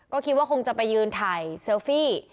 ก็คิดว่าคงจะไปยืนถ่ายเซลฟี่